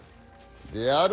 である